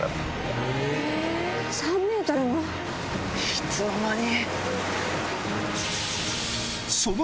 いつの間に！